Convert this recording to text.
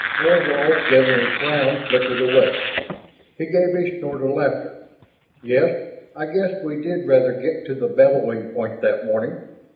Thorvald's gathering frown flickered away. He gave a snort of laughter. "Yes, I guess we did rather get to the bellowing point that morning.